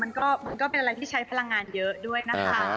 มันก็เป็นอะไรที่ใช้พลังงานเยอะด้วยนะคะ